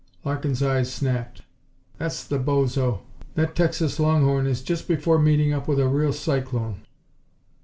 Larkin's eyes snapped. "That's the bozo! That Texas longhorn is just before meeting up with a real cyclone."